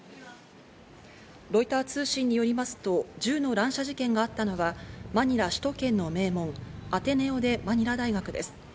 ロイター通信によりますと銃の乱射事件があったのは、マニラ首都圏の名門・アテネオ・デ・マニラ大学です。